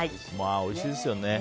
おいしいですよね。